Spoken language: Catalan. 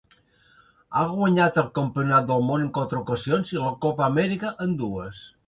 Ha guanyat el campionat del món en quatre ocasions i la Copa Amèrica en dues.